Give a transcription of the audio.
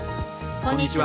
こんにちは。